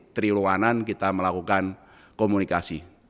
trilu lanan kita melakukan komunikasi